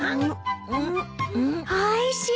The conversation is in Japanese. おいしい。